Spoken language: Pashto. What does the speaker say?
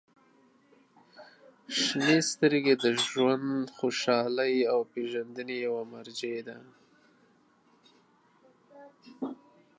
• شنې سترګې د ژوند خوشحالۍ او پېژندنې یوه مرجع ده.